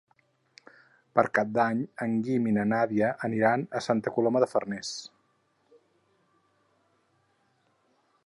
Per Cap d'Any en Guim i na Nàdia aniran a Santa Coloma de Farners.